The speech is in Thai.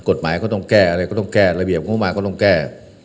กฎหมายก็ต้องแก้ระเบียบมือบ้างก็ต้องแก้